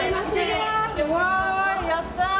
わーい、やった！